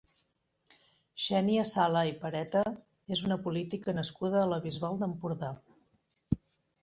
Xènia Sala i Pareta és una política nascuda a la Bisbal d'Empordà.